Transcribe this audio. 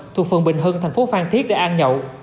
thuộc phường bình hưng thành phố phan thiết để ăn nhậu